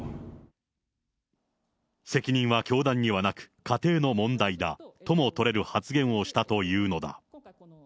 責任は教団にはなく、家庭の問題だとも取れる発言をしたというのだ。